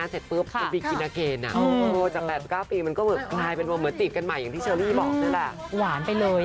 ตักแบบดูกุ้มชั่วโมมันแบบหวานฉ่ำมากนะคะ